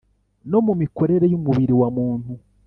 no mu mikorere y’umubiri wa muntu